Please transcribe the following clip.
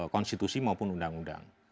konstitusi maupun undang undang